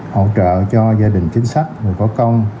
hỗ trợ cho gia đình chính sách người có công